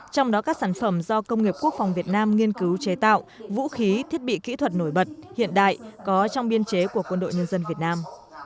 trong đó các sản phẩm do công nghiệp quốc phòng việt nam nghiên cứu chế tạo vũ khí thiết bị kỹ thuật nổi bật hiện đại có trong biên chế của quân đội nhân dân việt nam